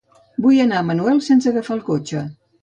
Vull anar a Manuel sense agafar el cotxe.